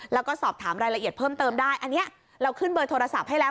แล้วก็สอบถามรายละเอียดเพิ่มเติมได้อันนี้เราขึ้นเบอร์โทรศัพท์ให้แล้ว